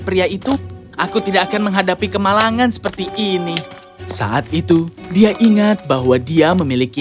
pria itu aku tidak akan menghadapi kemalangan seperti ini saat itu dia ingat bahwa dia memiliki